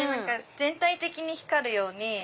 全体的に光るように。